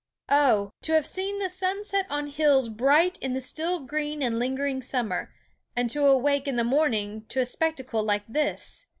"Oh, to have seen the sun set on hills bright in the still green and lingering summer, and to awake in the morning to a spectacle like this!